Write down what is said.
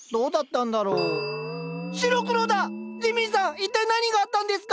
一体何があったんですか？